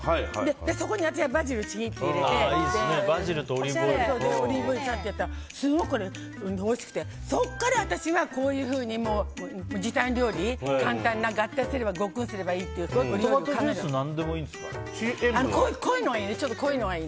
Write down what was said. そこに私がバジルをちぎって入れてオリーブオイルちゃってやったらすごくおいしくてそこから私はこういうふうに時短料理簡単な合体すればごっくんすればいいというトマトジュースちょっと濃いのがいい。